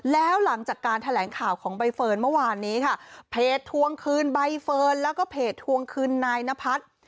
แล้วหลังจากการแถลงข่าวของใบเฟิร์นเมื่อวานนี้ค่ะเพจทวงคืนใบเฟิร์นแล้วก็เพจทวงคืนนายนพัฒน์